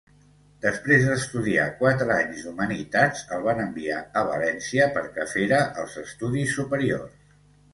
Després d'estudiar quatre anys d'humanitats, el van enviar a València perquè fera els estudis superiors.